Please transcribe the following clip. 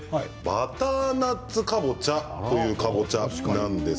バターナッツかぼちゃというかぼちゃです。